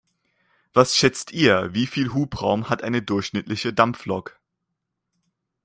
Was schätzt ihr, wie viel Hubraum hat eine durchschnittliche Dampflok?